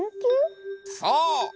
そう！